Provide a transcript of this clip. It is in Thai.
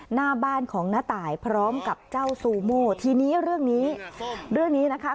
หน้าบ้านของน้าตายพร้อมกับเจ้าซูโมทีนี้เรื่องนี้เรื่องนี้นะคะ